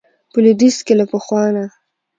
په لويديځ کې له پخوا نه